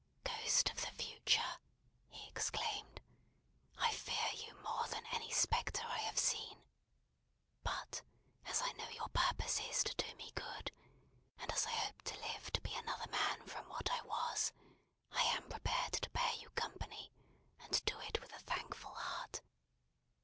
"Ghost of the Future!" he exclaimed, "I fear you more than any spectre I have seen. But as I know your purpose is to do me good, and as I hope to live to be another man from what I was, I am prepared to bear you company, and do it with a thankful heart.